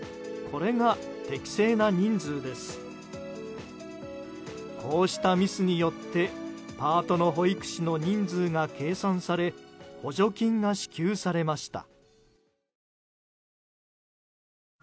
こうしたミスによってパートの保育士の人数が計算され補助金が支給されました。